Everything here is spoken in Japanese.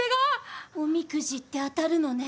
おみくじって当たるのね。